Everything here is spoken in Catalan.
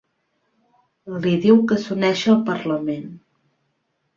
Li diu que s'uneixi al parlament.